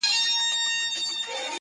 ستا و ما لره بیا دار دی,